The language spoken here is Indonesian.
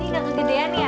ini nggak kegedean ya